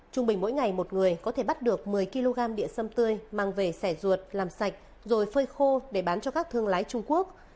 trung bình mỗi ngày một người có thể bắt được một mươi kg địa sâm tươi mang về xẻ ruột làm sạch rồi phơi khô để bán cho các thương lái trung quốc